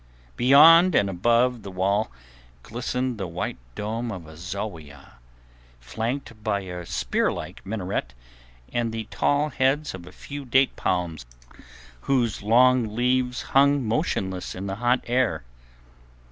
Beyond and above the wall glistened the white dome of a zowia, flanked by a spear like minaret and the tall heads of a few date palms whose long leaves hung motionless in the hot air.